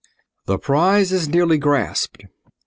The Prize is nearly Grasped.